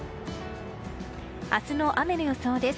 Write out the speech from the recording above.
明日の雨の予想です。